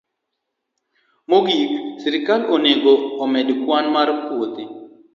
Mogik, sirkal onego omed kwan mar puothe